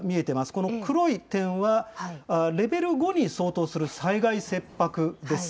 この黒い点は、レベル５に相当する災害切迫です。